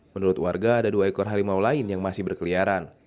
menurut warga ada dua ekor harimau lain yang masih berkeliaran